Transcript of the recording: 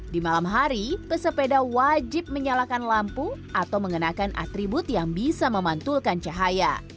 di malam hari pesepeda wajib menyalakan lampu atau mengenakan atribut yang bisa memantulkan cahaya